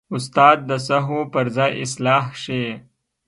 استاد د سهوو پر ځای اصلاح ښيي.